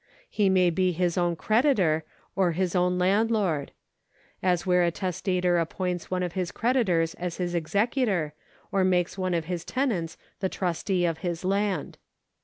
He may be his own creditor, or his own landlord ; as where a testator appoints one of his creditors as his executor, Or makes one of his tenants the trustee of his land.